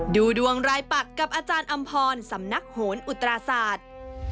ดูดวงรายปักกับอาจารย์อำพรสำนักโหนอุตราศาสตร์